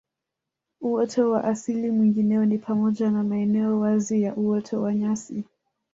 Uoto wa asili mwingineo ni pamoja na maeneo wazi ya uoto wa nyasi